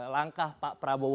langkah pak prabowo ini